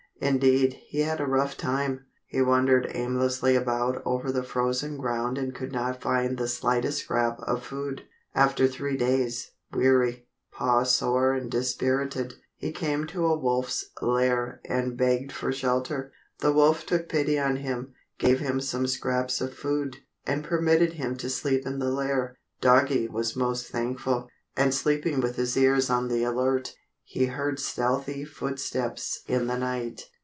Indeed, he had a rough time. He wandered aimlessly about over the frozen ground and could not find the slightest scrap of food. After three days, weary, paw sore and dispirited, he came to a wolf's lair and begged for shelter. The wolf took pity on him, gave him some scraps of food, and permitted him to sleep in the lair. Doggie was most thankful, and sleeping with his ears on the alert, he heard stealthy footsteps in the night.